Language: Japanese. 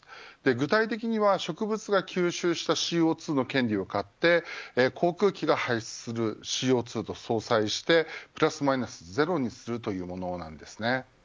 具体的には植物が吸収したＣＯ２の権利を買って航空機が排出するＣＯ２と相殺してプラスマイナスゼロにするというものです。